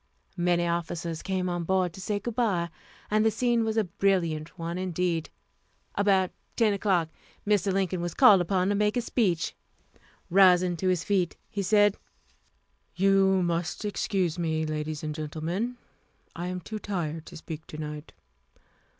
Many officers came on board to say good by, and the scene was a brilliant one indeed. About 10 o'clock Mr. Lincoln was called upon to make a speech. Rising to his feet, he said: "You must excuse me, ladies and gentlemen. I am too tired to speak to night.